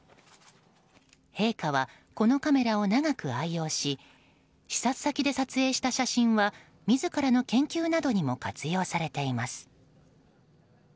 陛下は、このカメラを長く愛用し視察先で撮影した写真は自らの研究などにも活用されています。